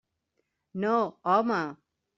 No, home!